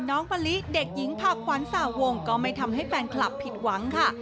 มะลิเด็กหญิงผักขวัญสาวงก็ไม่ทำให้แฟนคลับผิดหวังค่ะ